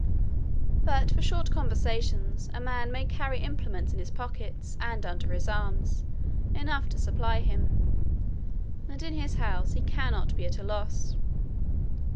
But for short conversations, a man may carry implements in his pockets, and under his arms, enough to supply him; and in his house, he cannot be at a loss.